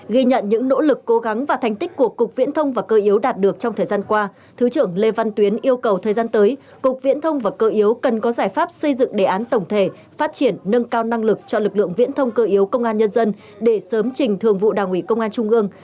ghi nhận những nỗ lực cố gắng và thành tích của cục viễn thông và cơ yếu đạt được trong thời gian qua thứ trưởng lê văn tuyến yêu cầu thời gian tới cục viễn thông và cơ yếu cần có giải pháp xây dựng đề án tổng thể phát triển nâng cao năng lực cho lực lượng viễn thông cơ yếu công an nhân dân để sớm trình thường vụ đảng ủy công an trung ương